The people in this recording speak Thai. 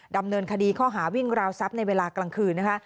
ดำเนินคดีข้อหาวิ่งราวทรัพย์ในเวลากลางคืนนะคะ